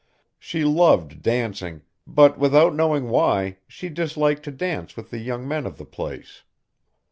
She loved dancing, but, without knowing why, she disliked to dance with the young men of the place.